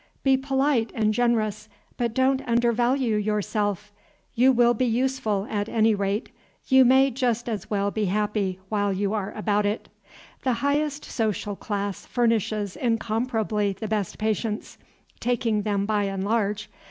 Be polite and generous, but don't undervalue yourself. You will be useful, at any rate; you may just as well be happy, while you are about it. The highest social class furnishes incomparably the best patients, taking them by and large.